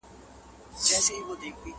زما په مرگ به خلک ولي خوښېدلای!!